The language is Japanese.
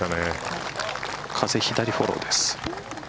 風、左フォローです。